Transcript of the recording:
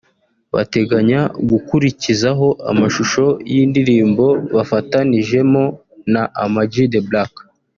bateganya gukurikizaho amashusho y’indirimbo bafatanijemo na Ama-G The Black